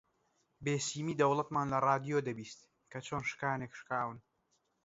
بێسیمی دەوڵەتمان لە ڕادیۆ دەبیست کە چۆن شکانێک شکاون